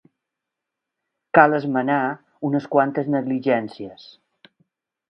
Cal esmenar unes quantes negligències.